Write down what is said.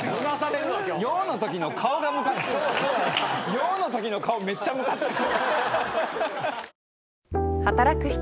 「よ」のときの顔めっちゃムカつく。